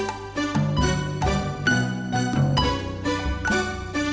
iya aku mau ke cidahu